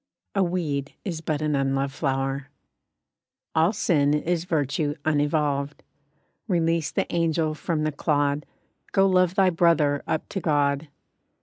A weed is but an unloved flower! All sin is virtue unevolved, Release the angel from the clod— Go love thy brother up to God.